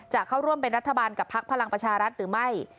จะเข้าร่วมเป็นรัฐบาลกับพักพลังประชารัฐหรือไม่